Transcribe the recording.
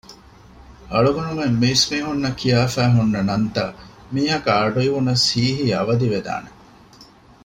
އަޅުގަނޑުމެން މީސްމީހުންނަށް ކިޔާފައި ހުންނަ ނަންތައް މީހަކަށް އަޑުއިވުނަސް ހީނހީނ އަވަދިވެދާނެ